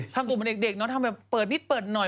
กลุ่มมันเด็กเนอะทำแบบเปิดนิดเปิดหน่อย